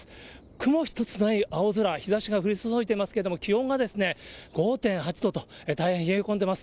雲一つない青空、日ざしが降り注いでいますけれども、気温が５．８度と、大変冷え込んでいます。